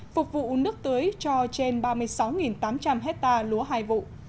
phục vụ nước tưới cho trên ba mươi sáu tám trăm linh hectare lúa hai vụ